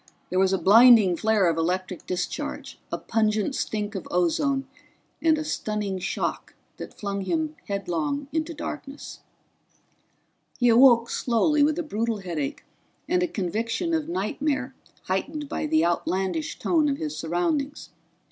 There was a blinding flare of electric discharge, a pungent stink of ozone and a stunning shock that flung him headlong into darkness. He awoke slowly with a brutal headache and a conviction of nightmare heightened by the outlandish tone of his surroundings.